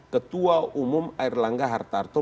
ketua umum air langga hartarto